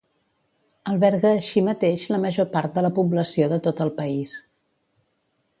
Alberga així mateix la major part de la població de tot el país.